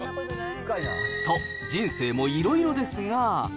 と、人生もいろいろですが。